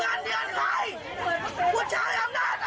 บอกมติของคณะกรรมการวัดไม่ให้ขายแล้วนะฮะ